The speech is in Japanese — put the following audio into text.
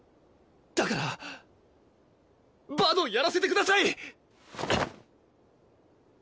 だからバドやらせてください！